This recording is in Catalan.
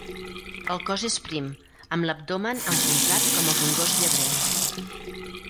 El cos és prim, amb l'abdomen enfonsat com el d'un gos llebrer.